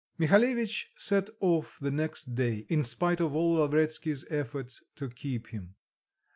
Mihalevitch set off the next day, in spite of all Lavretsky's efforts to keep him.